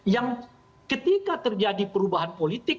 yang ketika terjadi perubahan politik